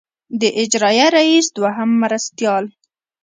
د اجرائیه رییس دوهم مرستیال.